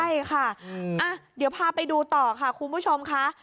ใช่ค่ะเดี๋ยวพาไปดูต่อค่ะคุณผู้ชมค่ะ